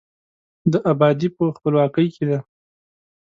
د آبادي په، خپلواکۍ کې ده.